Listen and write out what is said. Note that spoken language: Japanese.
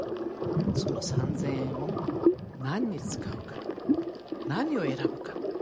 その３，０００円を何に使うか何を選ぶか。